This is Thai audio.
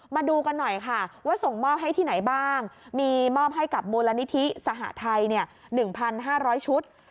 มาดูกันหน่อยค่ะว่าส่งมอบให้ที่ไหนบ้างมีมอบให้กับมูลนิธิสหทัย๑๕๐๐ชุด